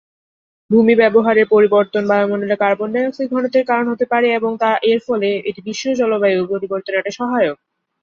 ভূমি ব্যবহার পরিবর্তন বায়ুমন্ডলে কার্বন ডাই-অক্সাইড ঘনত্বের কারণ হতে পারে এবং তার ফলে এটি বিশ্বব্যাপী জলবায়ু পরিবর্তনের একটি সহায়ক।